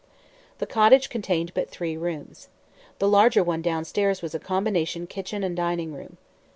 The cottage contained but three rooms. The larger one downstairs was a combination kitchen and dining room.